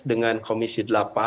dengan komisi delapan